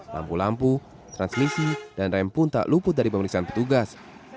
lampu lampu transmisi dan rem pun tak luput dari pemeriksaan petugas